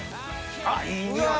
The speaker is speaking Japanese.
あっいい匂い！